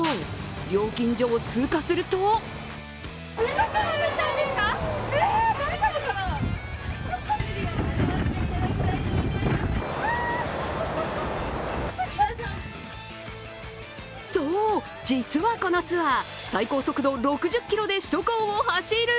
料金所を通過するとそう、実はこのツアー、最高速度６０キロで首都高を走る！